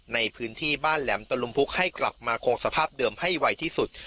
ในพื้นที่บ้านแหลมตะลุมพุกให้กลับมาคงสภาพเดิมให้ไวที่สุด